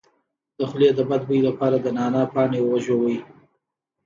د خولې د بد بوی لپاره د نعناع پاڼې وژويئ